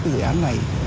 cái dự án này